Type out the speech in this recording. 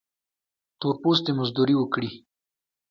تور پوستي مزدوري وکړي.